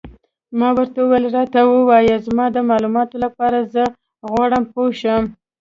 ما ورته وویل: راته ووایه، زما د معلوماتو لپاره، زه غواړم پوه شم.